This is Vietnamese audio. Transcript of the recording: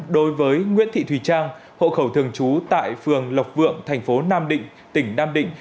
đối với nguyễn thị thùy trang hộ khẩu thường trú tại phường lộc vượng thành phố nam định tỉnh nam định